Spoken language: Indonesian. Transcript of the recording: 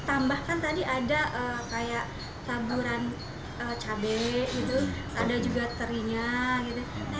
tambahkan tadi ada kayak taburan cabai gitu ada juga terinya gitu